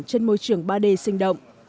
trên môi trường ba d sinh động